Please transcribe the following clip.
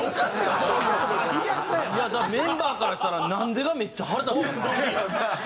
メンバーからしたら「なんで？」がめっちゃ腹立つやろうな。